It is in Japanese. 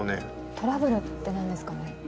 トラブルって何ですかね？